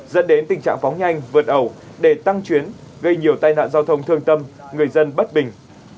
dẫn đến tình trạng phóng nhanh vượt ẩu để tăng chuyến gây nhiều tai nạn giao thông thương tâm người dân bất bình